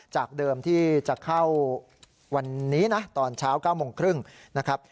จากเดิมที่จะเข้าวันนี้นะตอนเช้า๙โมงครึ่งนะครับ